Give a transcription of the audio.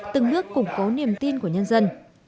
từng nước củng cố niềm tin của nhân dân